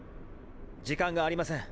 時間がありません。